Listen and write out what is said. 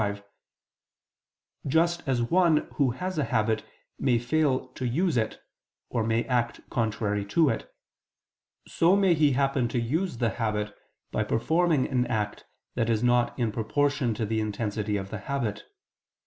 5); just as one who has a habit may fail to use it or may act contrary to it; so may he happen to use the habit by performing an act that is not in proportion to the intensity of the habit.